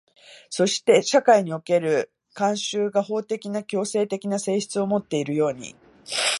そして社会における慣習が法的な強制的な性質をもっているように、